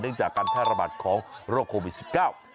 เนื่องจากการแพร่ระบัดของโรคโควิด๑๙